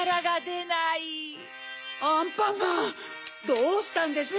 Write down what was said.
どうしたんです？